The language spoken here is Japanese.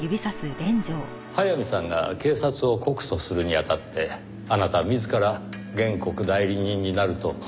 早見さんが警察を告訴するにあたってあなた自ら原告代理人になると名乗り出たとか。